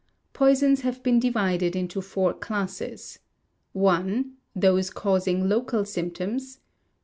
Poisons have been divided into four classes: i. Those causing local symptoms.